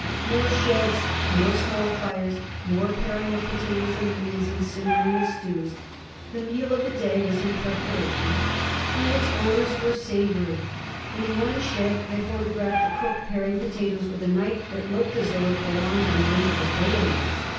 More sheds, more small fires, more paring of potatoes and onions and simmering of stews. The meal of the day was in preparation and its odours were savoury. In one shed I photographed the cook, paring potatoes with a knife that looked as though it belonged on the end of a bayonet.